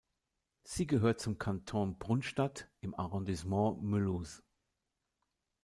Sie gehört zum Kanton Brunstatt im Arrondissement Mulhouse.